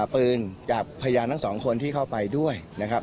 ปืนจากพยานทั้งสองคนที่เข้าไปด้วยนะครับ